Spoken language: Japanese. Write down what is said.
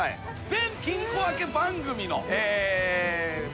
全「金庫開け」番組の。